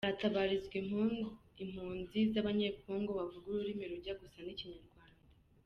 Haratabarizwa impunzi z’abanyekongo bavuga ururimi rujya gusa n’ikinyarwanda.